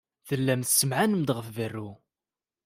Tellam tessemɛanem-d ɣef berru.